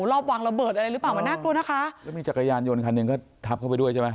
รอบวางระเบิดอะไรหรือเปล่ามันน่ากลัวนะคะแล้วมีจักรยานยนต์คันหนึ่งก็ทับเข้าไปด้วยใช่ไหม